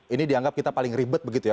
ini dianggap kita paling ribet begitu ya